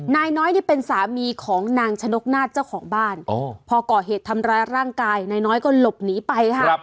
นายน้อยนี่เป็นสามีของนางชนกนาฏเจ้าของบ้านพอก่อเหตุทำร้ายร่างกายนายน้อยก็หลบหนีไปค่ะ